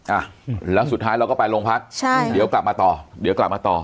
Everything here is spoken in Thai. อ่ะแล้วสุดท้ายเราก็ไปโรงพักใช่เดี๋ยวกลับมาต่อเดี๋ยวกลับมาต่อ